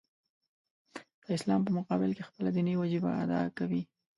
د اسلام په مقابل کې خپله دیني وجیبه ادا کوي.